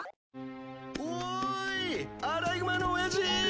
おいアライグマの親父。